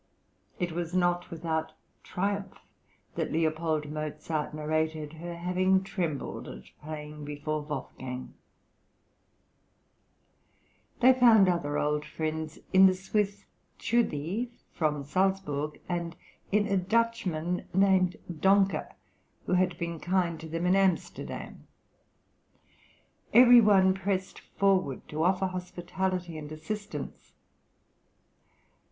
It was not without triumph that L. Mozart narrated her having trembled at playing before Wolfgang. They found other old friends in the Swiss Tschudi, from Salzburg, and in a Dutchman named Doncker, who had been kind to them in Amsterdam; every one pressed forward to offer hospitality and assistance.